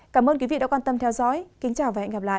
cảm ơn quý vị đã quan tâm theo dõi kính chào và hẹn gặp lại